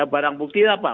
barang bukti apa